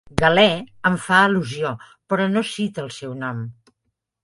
Galè en fa al·lusió però no cita el seu nom.